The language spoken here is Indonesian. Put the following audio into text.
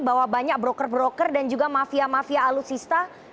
bahwa banyak broker broker dan juga mafia mafia alutsista